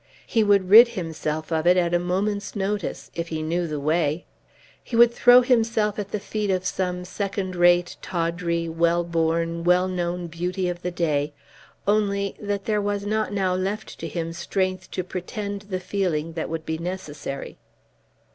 He would rid himself of it at a moment's notice if he knew the way. He would throw himself at the feet of some second rate, tawdry, well born, well known beauty of the day, only that there was not now left to him strength to pretend the feeling that would be necessary.